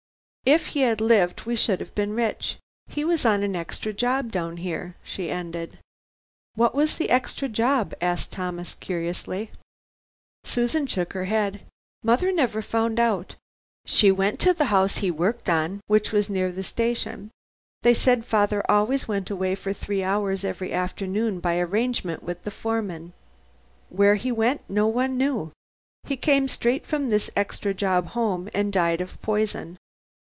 If he had lived, we should have been rich. He was on an extra job down here," she ended. "What was the extra job?" asked Thomas curiously. Susan shook her head. "Mother never found out. She went to the house he worked on, which is near the station. They said father always went away for three hours every afternoon by an arrangement with the foreman. Where he went, no one knew. He came straight from this extra job home and died of poison.